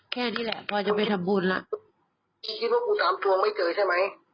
แค่นี้แหละพอจะไปทำบุญล่ะพี่คิดว่ากูสามทวงไม่เจอใช่ไหม